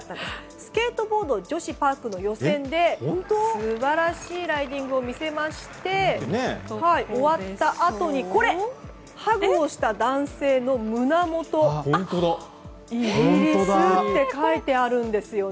スケートボード女子パークの予選で素晴らしいライディングを見せまして終わったあとにハグをした男性の胸元に「イギリス」って書いてあるんですよね。